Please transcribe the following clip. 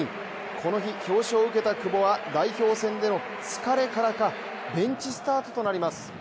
この日、表彰を受けた久保は代表戦での疲れからかベンチスタートとなります。